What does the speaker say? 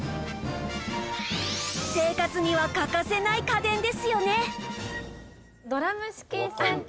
生活には欠かせない家電ですよね